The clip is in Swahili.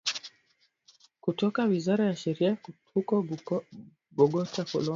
kutoka Wizara ya Sheria huko Bogota Colombia